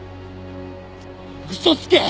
嘘つけ！